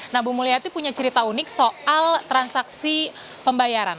nah bu mulyati punya cerita unik soal transaksi pembayaran